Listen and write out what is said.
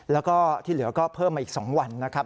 แล้วก็ที่เหลือก็เพิ่มมาอีก๒วันนะครับ